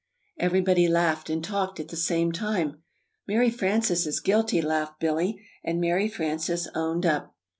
Everybody laughed and talked at the same time. "Mary Frances is guilty," laughed Billy; and Mary Frances "owned up."